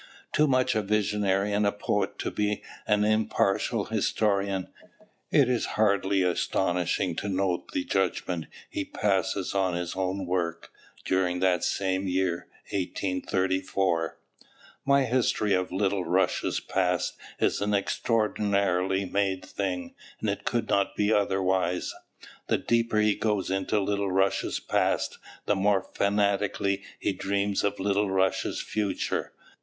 Too much a visionary and a poet to be an impartial historian, it is hardly astonishing to note the judgment he passes on his own work, during that same year, 1834: "My history of Little Russia's past is an extraordinarily made thing, and it could not be otherwise." The deeper he goes into Little Russia's past the more fanatically he dreams of Little Russia's future.